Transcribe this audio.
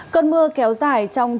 cơn mưa kéo dài trong chiều